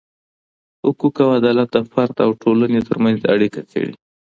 حقوق او عدالت د فرد او ټولني ترمنځ اړیکه څیړې.